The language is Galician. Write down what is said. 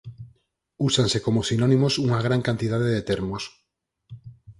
Úsanse como sinónimos unha gran cantidade de termos.